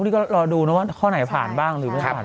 นี่ก็รอดูนะว่าข้อไหนผ่านบ้างหรือไม่ผ่าน